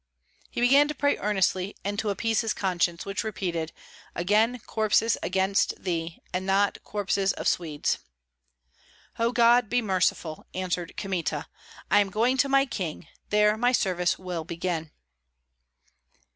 He began to pray earnestly and to appease his conscience, which repeated, "Again corpses against thee, and not corpses of Swedes." "O God, be merciful!" answered Kmita. "I am going to my king; there my service will begin."